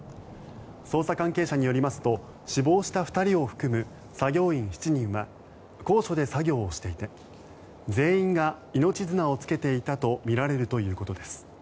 捜査関係者によりますと死亡した２人を含む作業員７人は高所で作業をしていて全員が命綱を着けていたとみられるということです。